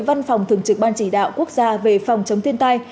văn phòng thường trực ban chỉ đạo quốc gia về phòng chống thiên tai